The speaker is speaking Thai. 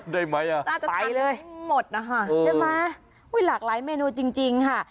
ได้ไหมอ่ะน่าจะใส่เลยให้หมดนะคะใช่ไหมอุ้ยหลากหลายเมนูจริงจริงค่ะ